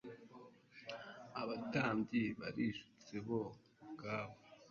Abatambyi barishutse bo ubwabo.